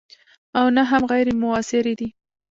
او نه هم غیر موثرې دي.